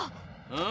うん？